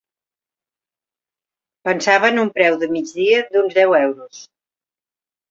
Pensava en un preu de migdia d'uns deu euros.